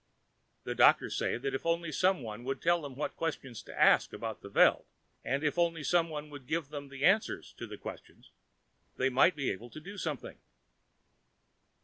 The doctors say that if only someone would tell them what questions to ask about the Veld, and if only someone would give them the answers to the questions, they might be able to do something.